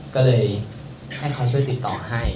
ก็เลยให้เขาช่วยติดต่อให้